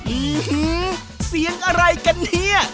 ื้อหือเสียงอะไรกันเนี่ย